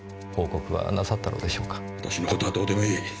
私の事はどうでもいい。